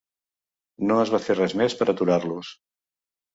No es va fer res més per aturar-los.